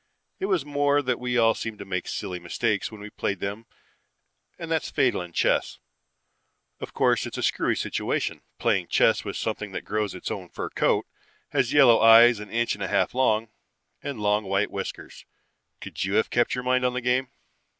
It was more that we all seemed to make silly mistakes when we played them and that's fatal in chess. Of course it's a screwy situation, playing chess with something that grows its own fur coat, has yellow eyes an inch and a half long and long white whiskers. Could you have kept your mind on the game?